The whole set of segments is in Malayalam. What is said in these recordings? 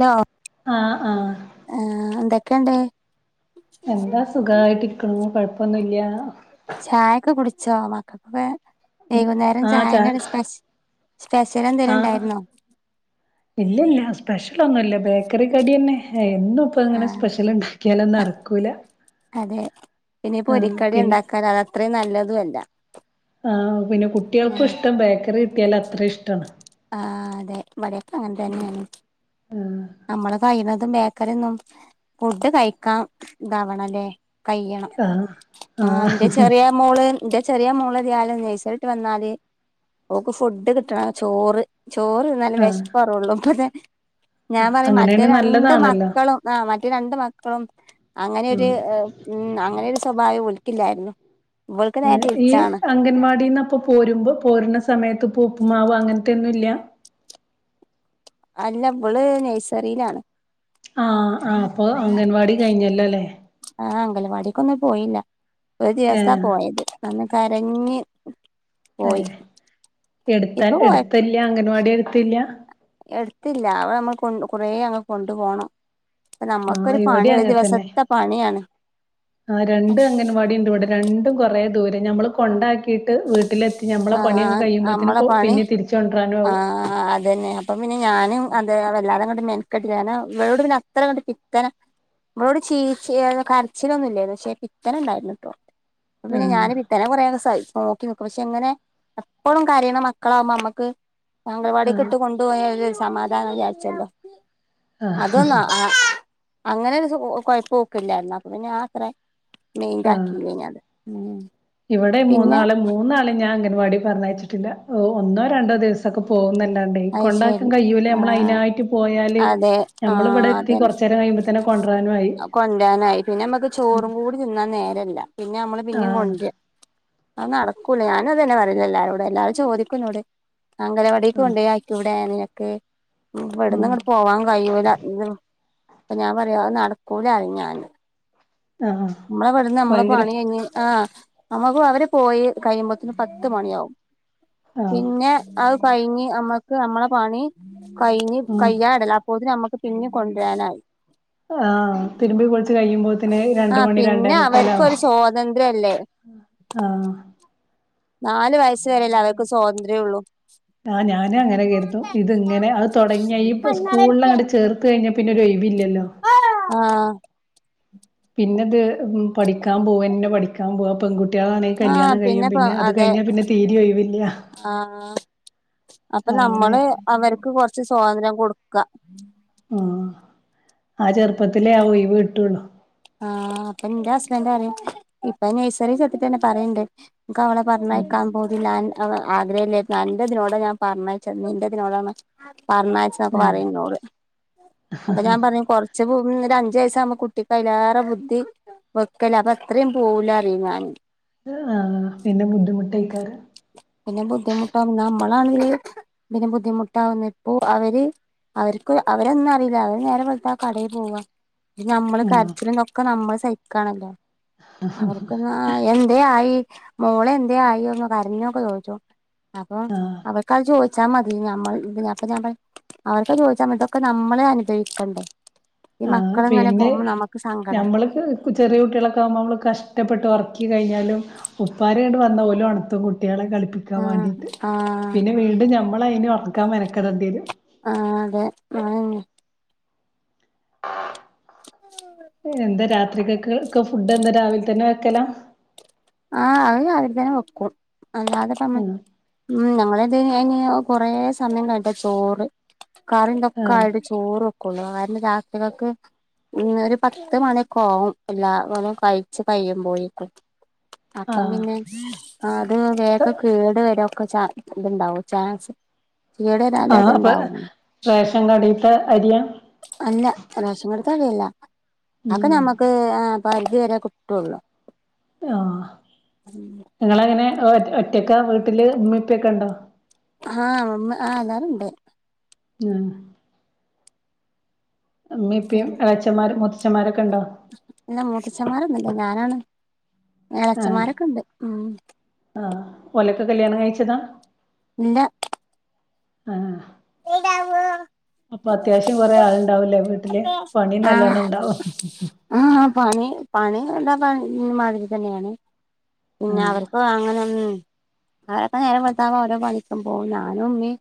ഹലോ ആഹ് ആഹ്. ആഹ് എന്തൊക്കെണ്ട്? എന്താ സുഖായിട്ടിരിക്കണ് കൊഴപ്പൊന്നുല്ല്യാ- ചായൊക്കെ കുടിച്ചോ മക്കക്കൊക്കെ- വൈകുന്നേരം ആഹ് ചാ ചായന്നെ സ്പെ സ്പെഷ്യൽ എന്തേലും ഉണ്ടായിരുന്നോ? ഇല്ല ഇല്ല സ്പെഷ്യലൊന്നുല്ല ബേക്കറി കടിന്നെ എന്നും ഇപ്പ അങ്ങനെ ആഹ് സ്പെഷ്യലുണ്ട- ക്കിയാൽ നടക്കൂല അതെ ഇനി ആഹ് പൊരിക്കടി പിന്നെ ഉണ്ടാക്കൽ അത് അത്രയും നല്ലതു അല്ല. ആഹ് പിന്നെ കുട്ടികൾക്കും ആഹ് ഇഷ്ടം ബേക്കറി കിട്ടിയാല് അത്രയും ഇഷ്ടാണ്. ആഹ് അതെ ഇവിടെക്കെ അങ്ങനെ തന്നെയാണ്. നമ്മള് കഴിയുന്നതും ബേക്കറിന്നും ഫുഡ് കഴിക്കാം ഇതാവണല്ലേ കഴിയണം ആഹ് ആഹ് ഇന്റെ ചെറീയെ- മോള് എന്റെ ചെറിയ മോള് ഇതുപോലെ നഴ്സറിട്ട് വന്നാല് ഓക്ക്‌ ഫുഡ് കിട്ടണം ചോറ് ചോറ് തിന്നാലെ ആഹ് വിശപ്പ് മാറുള്ളു ഞാൻ പറയും മറ്റേ അങ്ങനെയാണെ രണ്ട് നല്ലതാണല്ലോ മക്കളും ആ മറ്റേ രണ്ട് മക്കളും അങ്ങനെയൊരു ഉം. അങ്ങനെയൊരു സ്വഭാവം ഇവൾക്കില്ലായിരുന്നു. ഇവൾക്ക് നേരെ ഈ തിരിച്ചാണ് അംഗൻവാടിന്ന്പ്പൊ പോരുമ്പോ പോരുണ സമയത്ത് ഇപ്പ ഉപ്പുമാവ് അങ്ങനത്തെന്നു ഇല്ല. അല്ല ഇവള് നഴ്സറിയിലാണ്. ആഹ് ആ അപ്പോൾ അംഗൻവാടി കഴിഞ്ഞല്ലോഅല്ലേ? ആഹ് അംഗലവാടിക്ക്ക്കൊന്നും പോയില്ല ഒരു ദിവസാ ഏഹ് പോയത് അന്ന് കരഞ്ഞ് പോയി ഏഹ് എടുത്ത ഇപ്പൊ കൊഴപ്പ എടുത്തില്ല അംഗൻവാടി എടുത്തില്ല്യാ.? എടുത്തില്ല അവിടെ നമ്മൾ കൊണ്ട് കുറേഅങ്ങ് കൊണ്ടു പോണം. അപ്പ ആഹ് നമ്മുക്കൊരു ഇവിടെ പണി ഒരു അങ്ങനെ തന്നെ ദിവസത്തെ പണിയാണ്. പടി ഉണ്ട് വിടെ. രണ്ടും കൊറേ ദൂരം ഞമ്മള് കൊണ്ടാക്കിയിട്ട് വീ ട്ടിലെത്തി നമ്മളെ ആ പണിയക്കെ കഴിയുമ്പോത്തേന് നമ്മളെ പണി പിന്നെ തിരിച്ച കൊണ്ടുവരാനു ആ ആവും. അത് ന്നേ അപ്പൊപിന്നെ ഞാനുംഅത് വല്ലതങ്ങമെനക്കെട്ടി കാര്ണോം [unintelligible] ഓട് ചീച്ചി കരച്ചിലൊന്നും ഇല്ലായിരുകന്നു. പക്ഷേ പിത്തന് ഉണ്ടായിരുന്നു കേട്ടോ. അപ്പ പിന്നെ ഞാന് വിത്തനെ കുറെസഹിക്കു നോക്കി നോക്കും പക്ഷെ എങ്ങനെ? എപ്പോളും കാരയണ മക്കളാവകുമ്പോ നമ്മക്ക് ആഹ് അംഗനവാടിഇട്ട് കൊ [unintelligible] സമാധാനം വാച്ചല്ലോ അതല്ല ആ അങ്ങനെ ഒരു സൊ കൊഴപ്പം ഓക്കില്ലായിരുന്നു. അപ്പ പിന്നെ ആത്രയും മെയിന്റ് ആഹ് ആക്കില്ല ഞാൻ അത്. ഉം ഇവിടെ പിന്നെ മൂന്നാള് മൂന്നാളേം ഞാൻ അംഗൻവാടി പറഞ്ഞയച്ചിട്ടില്ല. ഒന്നോ രണ്ടോ ദിവസം ക്കെ പോകുന്നുണ്ടോണ്ടേ അത് കൊണ്ടാക്കാൻ ശരി കഴിയൂല്ലേ നമ്മള് ആഹ് അതിനായിട്ട് പോയാല് നമ്മള് ഇവിടെ കൊറച്ചേരം കഴിയുമ്പോ തന്നെ കൊണ്ടരാനും ആയി കൊണ്ടാനായിക്കും പിന്നെ നമ്മക്ക് ചോറും കൂ തിന്നാൻ നേരല്ല പിന്നെ നമ്മള് പിന്നയും ആഹ് കൊണ്ട്യരാ അത് നടക്കൂല ഞാനുഅതുതന്നെ പറയുന്നേ എല്ലാരോടെ എല്ലാവരും ചോദിക്കുന്നു എന്നോട് അംഗനവാടിക്ക് ആഹ് കൊണ്ടാക്കി കൂടെ നിനക്ക്? ഇവിടന്ന് ഉം അങ്ങോട്ട് പോവാൻ കഴിയൂല. ഇത് അപ്പൊ ഞാൻ പറയും അത് നടക്കൂലാറീം ഞാൻ ആഹ് നമ്മളെ വിടുന്നേനമ്മളെ ഭയങ്കര പണി കഴിഞ് ആ നമ്മക്ക് അവര് പോയി കഴിയുമ്പോത്തന് പത്ത് മണിയാവും. ആഹ് പിന്നെ അത് കഴിഞ്ഞ് നമ്മക്ക് നമ്മളെ പണി കഴിഞ്ഞ് ഉം കയ്യാഇടല അപ്പോത്തിനും നമ്മുക്ക് പിന്നെ കൊണ്ടുവരാനായി. ആ തിരുമ്പി കുളിച്ച് കഴിയുമ്പോത്തെ രണ്ട് ആഹ് മണി രണ്ടേ പിന്നെ അവർക്ക് മുക്കാലാവും ഒരു സ്വാതന്ത്ര്യ അല്ലേ? ആഹ് നാല് വയസ് വരേയല്ലേ അവർക്ക് സ്വാതന്ത്ര്യം ഉള്ളു. ആഹ് ഞാനും അങ്ങനെ കരുതും. ഇത് ഇങ്ങനെ അത് തുടങ്ങിയ സ്കൂളിൽ അങ്ങട്ട് ചേർ ത്ത് കഴിഞ്ഞാൽ പിന്നെ ഒഴിവില്ലല്ലോ? ആ പിന്നത് പഠിക്കാൻ പോകും തന്നെ പഠിക്കാൻ പോവുക. പെൺകുട്ടികളാണെങ്കിൽ ആഹ് കല്യാണം കഴിയും. പിന്നെപ്പ പിന്നെ അത് അതെ കഴിഞ്ഞാൽ പിന്നെ തീരെ ഒഴിവില്ല. ആഹ് അപ്പൊ നമ്മള് അങ്ങനെയൊക്കെ അവർക്ക് കൊറച്ച് സ്വാതന്ത്ര്യം കൊടുക്കാം. ഉം ആ ചെറുപ്പത്തിലേ ആ ഒഴിവ് കിട്ടുള്ളു. ആഹ് അപ്പൊ എന്റെ ഹസ്ബൻഡ് പറയും ഇപ്പൊ നഴ്സറിൽ തൊട്ടിട്ട് തന്നെ പറയണ്ട് നമ്മക്ക് അവളെ ഉം പറഞ്ഞയക്കാം. പൂതില്ലാ ആഗ്രഹമില്ല അന്റെ തിനോട് ഞാൻ പറഞ്ഞച്ച് നിന്റെഇതിനോടാണ് പറഞ്ഞ ക്കെ പറയും എന്നോട്. അപ്പൊ ഞാൻ പറയും കൊറച്ച് ഒരു അഞ്ചു വയസാകുമ്പോ കുട്ടിക്ക് കൈലേറെ ബുദ്ധി വെക്കല് അത് അത്രയും പോലെ പറയ ഞാൻ. ആ പിന്നെ ബുദ്ധിമുട്ട് എയ്ക്കാരം- പിന്നെ ബുദ്ധിമുട്ടാവുന്ന നമ്മളാണങ്കില് പിന്നെ ബുദ്ധിമുട്ടകുന്നപ്പോ അവര് അവർക്ക് അവരൊന്നും അറിയില്ല അവര് നേരം വെളത്താ കടയിൽ പോവാ ഇത് നമ്മള് ആഹ് കരചിലുംത് ഒകെ നമ്മള് സഹിക്കണല്ലോ അവർക്കൊന്നും ആ എന്തേ ആയി മോളെ എന്തായി ഒന്ന് കരഞ്ഞൊക്കെ ചോദിച്ചോ അപ്പൊ ആഹ് അവർക്ക അത് ചോദിച്ചാൽ മതി മ്മൾ ഇപ്പ ഞാൻ അവർക്കത് ചോദിച്ചാൽ മതി ഇതൊക്കെ നമ്മളെ അനുഭവിക്കേണ്ടെ ഈ ആഹ് മക്കളിങ്ങനെ പിന്നെ പോകുമ്പോ നമുക്ക് സങ്കട ഞമ്മള് ചെറിയ കുട്ടികളൊക്കെ ആകുമ്പോ നമ്മൾ കഷ്ടപ്പെട്ട് ഉറക്കി കഴിഞ്ഞാലും ഉപ്പാര് ങ്ങട്ട് വന്ന ഓൽ ഒണ്തും കുട്ടികളെ കളിപ്പിക്കും ക്കാൻ ആഹ് വേണ്ടീട്ട് ആഹ് പിന്നെ വീണ്ടും നമ്മൾ അതിന് ഉറക്കാൻ മെനക്കെടേണ്ടി വരും ആ അതെ അതന്നെ എന്താ രാത്രികക ഫുഡ് എന്താ രാവിലെ തന്നെ വെക്കല ആഹ് അത് രാവിലെ തന്നെ വെക്കും അല്ലാത ആഹ് ഉം ഞങ്ങളെത് കൊറെേ സമയം കഴിട്ട ചോറ് കറിന്തൊക്കെ ആഹ് ആയി ചോറ് ഒക്കെള്ളു അവരുടെ രാത്രികൾക്ക് ഉ ഒരു പത്ത് മണിക്കെ ആവും എല്ലാവരു കഴിച്ചു കഴിയുമ്പോഴക്കും അപ്പം പിന്നെ ആഹ് അത് വേഗ കേടു വരൊക്കെ ഇതുണ്ടാവും ചാൻസ് ഇടതാല ആഹ് അപ്പൊ അതുണ്ടാവും റേഷൻ കടീത്തെ അരിയാ അല്ല റേഷൻ കടേ തഅരി അല്ല അത് ഉം ഞമ്മക്ക് പരിധി വരെ കിട്ടുള്ളു ആ ഉം നിങ്ങള് അങ്ങനെ ഒ ഒറ്റക്ക വീട്ടിൽ ഉമ്മിഉപ്പക്കെ ഉണ്ടോ ആഹ് മമ്മ ആ എല്ലാവരും ഉണ്ട് ആ ഇമ്മിഇപ്പയും എളച്ചന്മാരും മൂത്തച്ചൻമാരൊക്കെ ഉണ്ടോ ഇല്ല മൂതച്ചന്മാരൊന്നൂല്ല ഞാനാണ് ഇളച്ചന്മാരൊക്കെ ഉണ്ട് ഉം ആഹ ഓലക്കെ കല്യാണം കഴിച്ചതാ ഇല്ല ആഹ ഇടാവൂ അപ്പൊ അത്യാവശ്യം കൊറെേ ആളുണ്ടാവൂല്ലേ വീട്ടില് പണി നല്ലോണം ഉണ്ടാവും ആ പണി പണി എന്താ പ ഇ മാതിരി തന്നെയാണ് പിന്നെ ആഹ് അവർക്ക് ആ അങ്ങനെനാ അവരൊക്കെ നേരെ വെളുത്താവാ ഓരോ പണിക്കുമ്പോ ഞാനും ഉമ്മേ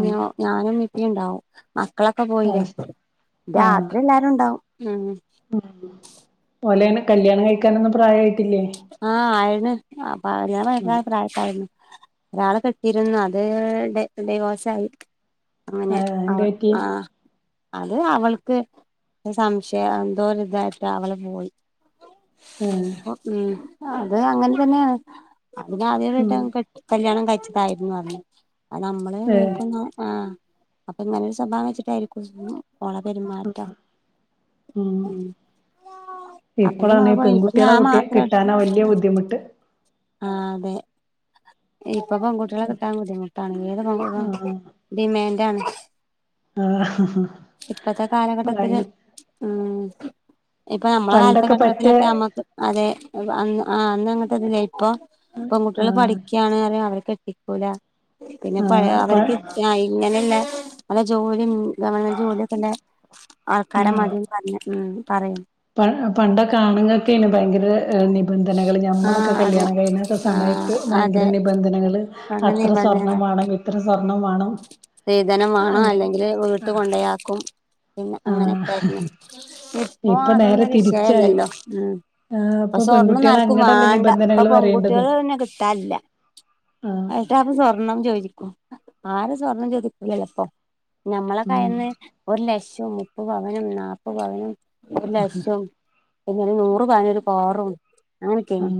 ആഹ് ഞാനും ഉമ്മിം ഇപ്പ ഉണ്ടാവും മക്കളൊക്കെ പോയില്ലേ ആഹ് രാത്രി എല്ലാരും ഉണ്ടാവും ഉം ഉ ഒലെയിനികല്യാണം കഴിക്കാനൊന്നും പ്രായമായിട്ടില്ലേ ആഹ ആയ ണ് അപ്പ കല്യാണ കഴിക്കാൻ പ്രായക്കായി ണ് ഒരാള് കെട്ടിയിരുന്നു അത് ഡിവോസായി അങ്ങനെ ആഹ് ആ എന്ത് പറ്റി ആ അത് അവൾക്ക് സംശയം എന്തോ ഒരു ഇതായിട്ട് അവള് പോയി ആ അപ്പൊ ഉം അത് അങ്ങനെ തന്നെയാണ് അപ്പോ ഉം ആദ്യട്ട കല്യാണം കഴിച്ചതായിരുന്നു പ അന്ന്അത് ഏഹ് നമ്മള്ക്ക ആ അപ്പൊ ഇങ്ങനെരു സ്വഭാവം വെച്ചിട്ടായിരിക്കും ഓള പെരുമാറ്റം അപ്പൊ ഇപ്പോളാണ് ഞമ്മള് ഈ പോയി ഇപ്പൊ പെൺകുട്ടികളെ ഞാൻ കുട്ടി മാത്രേ കിട്ടാനാ വലിയ ബുദ്ധിമുട്ട് ആ അതെ ഇപ്പൊ പെൺകുട്ടികളെ കിട്ടാൻ ബുദ്ധിമുട്ട് ഇപ്പോ അങ്ങനെ നോക്കുമ്പോ ആഹ് ഡിമാൻഡ് ആണ് ആഹ് ഇപ്പത്തെ ഭയ കാലഘട്ടത്തില് ഉം ഇപ്പൊ നമ്മളെ പണ്ടൊക്കെ പറ്റേ കാലത്തഘട്ടത്തിലൊക്കെ നമ്മക്ക് അതെ ആ അന്ന് അങ്ങട്ട ഇതില്ല ഇപ്പൊ ഇപ്പൊ പെൺ കുട്ടികള് ആഹ് പഠിക്കയാണ് അറ അവരെ കെട്ടി ക്കൂല പിന്ന പഴയ ആഹ് പ അവർക്ക് ഞാ ഇങ്ങനെ ഇല്ല നല്ല ജോലി ഗവൺമെന്റ് ജോലിക്കെണ്ട് ആൾക്കാരെ മതി പറഞ്ഞ ഉം പറയും പണ്ടൊക്ക ആണ്ങ്ങൾക്കേനു ഭയങ്കര നി നിബന്ധനകള് ഞമ്മളൊക്കെ ആഹ് അതെ കല്ല്യാണം കഴിഞ്ഞ ആഹ് സമയത്ത് അതെ ഭയങ്കര നിബന്ധനകള് അങ്ങനെ അത്ര സ്വർണ്ണം വാണം ഇത്ര സ്വർണം വാണം സ്റീതനം വാണം. അല്ലെങ്കില് വീട്ടി കൊണ്ടെയാക്കും പിന്നെ ആ അങ്ങനെയൊക്കെ ആയിരുന്നു ഇപ്പൊ അതൊന്നും നേരെ ഒര് തിരിച്ചായി വിഷയല്ലല്ലൊ ഉം ആ ഇപ്പൊ സ്വർണ്ണൊന്നും പെൺകുട്ടികള് ആര്ക്കും അങ്ങടല്ലേ വാണ്ട ഇപ്പൊ നിബന്ധനകള് പറയേണ്ടത് പെൺകുട്ടീള് ന്നെ കിട്ടാല്ല ആ ഏട്ടാ പ് സ്വർണം ചോദിക്കും ആരും സ്വർണം ചോദിക്കൂലലൊ ഇപ്പൊ ഞമ്മളൊക്കെ ഉം ആയന്ന് ഒര് ലക്ഷം മുപ്പത് പവനും നാപ്പത് പവനും ഒര് ലക്ഷം പിന്നെ നൂറ് പവന് ഒര് കാറും ഉം അങ്ങനൊക്കെയാണ്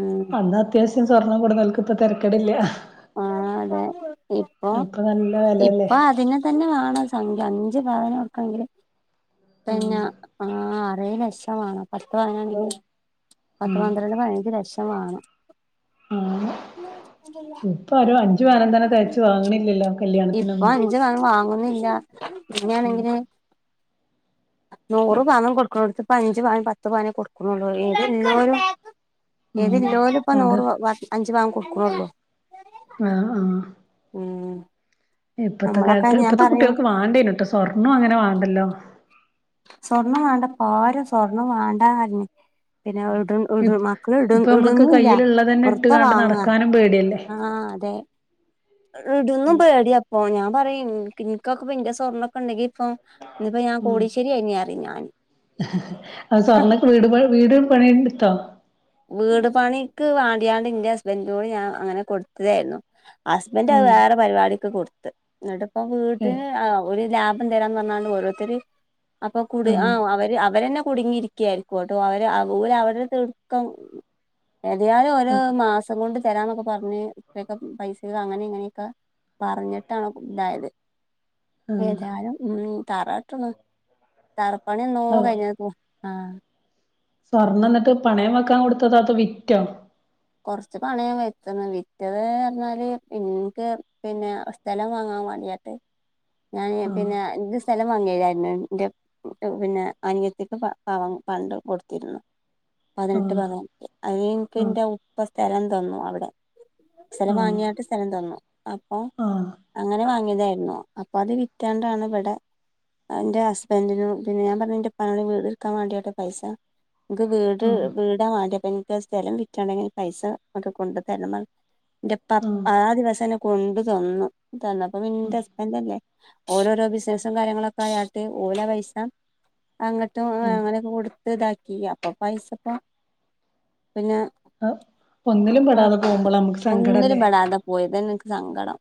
ഉം അന്ന് അത്യാവശ്യം സ്വർണം കൊട്ന്നോൽക്ക് ഇപ്പ തെരക്കെട്ല്ല ആഹ് അതെ ഇപ്പൊ നല്ല വെലല്ലേ ഇപ്പൊ അതിന് ഇപ്പ തന്നെ വാണ ഒര്സംഖ്യ അഞ്ച് പവന് ഒട്ക്കെണെങ്കില് പിന്ന ആഹ് ആറേയ് ലക്ഷം വാണം പത്ത് പവന്ണ്ടേൽ പത്ത് ഉം പന്ത്രണ്ട് പയ്നഞ്ച് ലക്ഷം വാണം ആഹ് ഇപ്പൊ ഒര് അഞ്ച് ച് വാണം തന്നെ തയ്ച്ച്ു വാങ്ങണില്ലല്ലോ ഇപ്പൊ കല്യാണത്തിനൊന്നും അഞ്ച് പവൻ വാങ്ങുന്നില്ല പിന്നൊണെങ്കില് നൂറ് പവൻ കൊട്ക്ക്ണൊട്ത് ഇപ്പ അഞ്ച് പവൻ പത്ത് പവനെ കൊട്ക്ക്ണുള്ളു ഏത് ഇള്ളോരും ഉം ഏത് ഇള്ളോലും ഇപ്പ അതെ നൂറ് അഞ്ച് പവൻ കൊട്ക്ക്ണൊള്ളു ആഹ് ആഹ് ഉം ഇപ്പത്തെ നമ്മളൊക്കെ കാൽത്ത് ഞാൻ ഇപ്പത്തെ പറയും കുട്ടീക്ക് വേണ്ടേനുട്ടൊ സ്വർണ്ണൊ അങ്ങനെ വാണ്ടല്ലൊ സ്വർണം വാണ്ട പരും സ്വർണംവാണ്ടാ അർഞ് പിന്ന എടു ഇ ഇപ്പൊ ഞമ്മള്ക്ക് കയ്യില്ള്ളതെന്നെ വെറുതെ ഇട്ട്കാണ്ട് വാങ്ങാ നടക്കാനും പേട്യല്ലെ ആഹ് അതെ ഇടുന്നും പേട്യാപ്പൊ. ഞാൻ പറയ ഇൻക് ഇൻകൊക്കെ ഇപ ഇന്റെ സ്വർണ്ണൊക്കണ്ടെങ്കി ഇപ്പൊ ന്ന്പ്പ ഞാൻ കോടീശ്ശ്യരി ആയീനി അറിം ഞാന് അഹ്‌ സ്വർണ്ണൊക്കെ വീട് പ വീട് പണി ഇട്ത്തൊ വീട് പണിക്ക് വാണ്ട്യാണ്ട് ഇന്റെ ഹസ്ബന്റോട് ഞാൻ അങ്ങനെ കൊട്ത്തതായ്രുന്നു ഹസ്ബന്റഹ്‌ ആഹ് വേറെ പരിപാടിക്ക് കൊട്ത്ത്. ന്നട്ട്പ്പൊ വീട്ട്ന് ഏഹ് ഒരു ലാ ഭം തരാന്ന് പറഞ്ഞാണ്ട് ഓരോർത്തര് അപ്പൊ കുട് ആഹ് അവര് അവരെന്നെ കുടുങ്ങിയിരി യിരിക്ക അവര് അവരെ തീർക്കം ഏതയാലും ഓരൊ മാസം സം കൊണ്ട് തരാന്നൊക്ക പർഞ്ഞ് ഇത്രയൊക്ക പൈസ അങ്ങനെ ഇങ്ങനെക്ക പർഞ്ഞിട്ടാണ് കു തായത് ആഹ് ഏതായാലും ഉം തറ ഇട്ട്ണ്. തറപ്പണി എന്നോ കഴിഞ്ഞക്കണ് സ്വർണ്ണംന്നട്ട് പണയം വെക്കാൻ കൊട്ത്തതാ അതൊ വിറ്റൊ കൊർച്ച് പണയം വെച്ച്ണ്. വിറ്റത് അർഞ്ഞാല് ഇൻക്ക് പിന്നെ സ്ഥലം വാങ്ങാൻ വാണ്ട്യാട്ട്. ഞാന് ആഹ് പിന്നെ ഇത് സ്ഥലം വാങ്ങിയര്ന്നു ന്റെ പിന്നെ അനിയത്തിക്ക് പ പവം പണ്ടം കൊട്ത്തിരുന്നു പതിനെട്ട് ആഹ് പവൻ. അയ്ന്ൻക്ക് ആഹ് ഇന്റെ ഉപ്പ സ്ഥലം തന്നു അവിടെ സ്ഥലം ആഹ് വാങ്ങ്യാട്ട് സ്ഥലം തന്നു അപ്പൊ ആഹ് അങ്ങനെ വാങ്ങ്യതായിര്ന്നു. അപ്പൊ അത് വിറ്റാണ്ടാണ് വടെ അഹ് ഇന്റെ ഹസ്ബന്റ്നു പിന്നെ ഞാൻ പർഞ്ഞുന്റെപ്പാനോട് വീട് ട്ക്കാൻ വേണ്ട്യാട്ട് പൈസ ഇൻക്ക് വീട് ആഹ് വീടാ വേണ്ട്യെ അപ്പ ഇൻക്ക് ആഹ് സ്ഥലം വിറ്റാണ്ടെങ്കി പൈസ ങ്ങട്ട് കൊണ്ട് തര്ണം പർഞു. ന്റെപ്പ ആ ദിവസന്നെ കൊണ്ട് തന്നു തന്നപ്പൊ പിന്നെ ഹസ്ബന്റല്ലെ. ഓലോരോ ബിസ്നസും കാര്യങ്ങളൊക്ക ആയാട്ട് ഓലാപൈസ അങ്ങട്ടും ആഹ് അങ്ങനൊക്കെ കൊട് ത്ത്താക്കി. അപ്പൊ പൈസപ്പൊ പിന്നെ ഒന്നിലും പെടാതെ പോകുമ്പളാ നമുക്ക് സങ്കടം ല്ലേ പോയതന്നെൻക്ക് സങ്കടം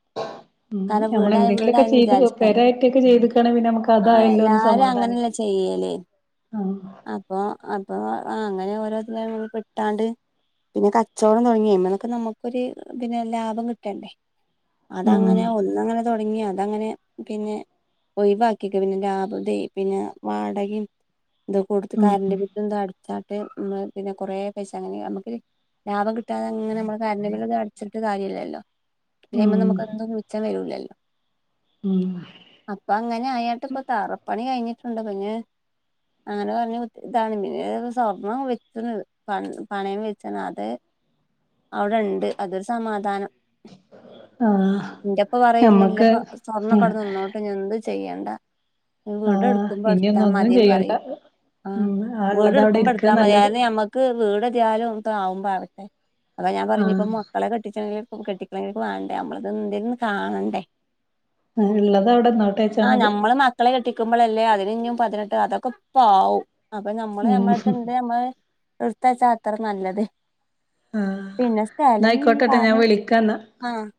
ഉം കാരണം നമ്മള് വീടായ എന്തെങ്കിലൊക്കെ വീടായിന്ന് ചെയ്ത് വിചാരിച്ചക്കാന്. പെരായിട്ടൊക്കെ ചെയ്ത്ക്കാണെ പിന്നെ നമുക്ക് ആഹ് അതായല്ലോ എല്ലാരും അങ്ങനെല്ലെ ചെയ്യല് ആഹ്‌ അപ്പോ അപ്പോ ആഹ് അങ്ങനെ ഓരോര്ത്തരപ്പെട്ടാണ്ട് പിന്നെ കച്ചോടം തൊടങ്ങി അയ്മനൊക്കെ നമുക്കൊരു പിന്നെ ലാഭം കിട്ടണ്ടേ ഉം അതങ്ങനെ ഒന്നങ്ങനെ തൊടങ്ങി അതങ്ങനെ പിന്നെ ഒഴിവാക്കിയക്കെ പിന്നെ ലാഭ തേയ് പിന്നെ വാടക്യും തൊക്കൊട്ത്ത്. ഉം കര്ന്റ് ബില്ലും തും അട്ച്ചാട്ട് ഉം പിന്നെ കൊറേ പൈസ അങ്ങനെ അമ്മക്ക് ലാഭം കിട്ടാതെങ്ങനെ മ്മള് കര്ന്റും ബില്ലും തും അട്ച്ച്ട്ട് കാര്യല്ലല്ലോ ഉം പിന്നയ്മന്നമ്മക്കെന്തും മിച്ചം വരൂലല്ലോ ഉം അപ്പങ്ങനായാട്ട് പ്പൊ താറപ്പണി കഴിഞ്ഞിട്ടുണ്ട് കുഞ്ഞ് അങ്ങനെപർഞ്കുത് താണ്. പിന്നെ സ്വർണം വെച്ച്ണ് പൺ പണയം വെ ച്ച്ണത് ഔടെണ്ട് അതൊരു സമാധാനം ആഹ് ന്റെപ്പ പറയും ഞ്ഞി ല്ല ഞമ്മക്ക് സ്വർണ്ണൊക്കവടെ നിന്നോ ട്ടെഞ്ഞെന്തും ചെയ്യണ്ട. വീട് ആഹ് എടുക്കുമ്പോട്ത്താ ഇനിയൊന്നും ഒന്നും മതിന്ന് ചെയ്യണ്ട പറയും ആഹ്‌ ഉം ആ വീട് ഇള്ളത് അവിടെ ഇരിക്കാ ട്ക്കുമ്പട്ത്താ മതി. നല്ലത് യാതെ ഞമ്മക്ക് ക്ക് വീട്തിയാലും ആവുമ്പോ ആവട്ടെ. അതൊ ഞാൻ പറയും. ഞ്ഞിപ്പ ആഹ് മക്കളെ കെട്ടിച്ചെണെങ്കിലും കെട്ടി ങ്കിലൊക്കെ വാണ്ടേ. അമ്മളത്ന്ന്തേ ങ്ക്ന്ന് കാണണ്ടേ ഇള്ളത് അവിടെന്നോട്ടേച്ചാ ആഹ് മതി നമ്മള് മക്കളെ കെട്ടിക്കുമ്പളല്ലേ. അതിനിഞ്ഞും പതിനെട്ട് അതൊക്കെപ്പാവും. അപ്പൊ നമ്മള് ഉം നമ്മളട്ത്ത്ണ്ട്, നമ്മള് ഇട്ത്തച്ചാ അത്രനല്ലത് ആഹ് പിന്നെ ന്നാ സ്ഥലം ആയിക്കോട്ടെട്ടോ ഞാൻ കാരണം വിളിക്കാന്നാ ആഹ്